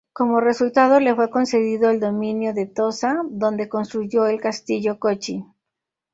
Como resultado le fue concedido el dominio de Tosa, donde construyó el Castillo Kōchi.